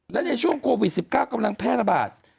และในช่วงโควิด๑๙กำลังแพร่ระบาด